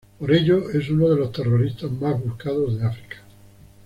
Por ello es uno de los terroristas más buscados de África.